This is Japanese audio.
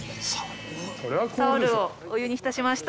タオルをお湯に浸しました。